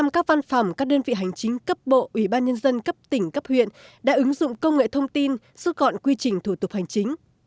một trăm linh các văn phòng các đơn vị hành chính cấp bộ ủy ban nhân dân cấp tỉnh cấp huyện đã ứng dụng công nghệ thông tin rút gọn quy trình thủ tục hành chính